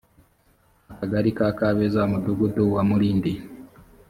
akagali ka kabeza umudugudu wa mulindi